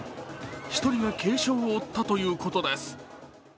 １人が軽傷を負ったということです